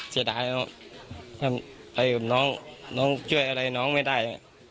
เสียดายนะครับทำอะไรกับน้องน้องช่วยอะไรน้องไม่ได้